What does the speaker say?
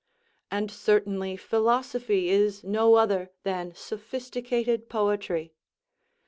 And certainly philosophy is no other than sophisticated poetry.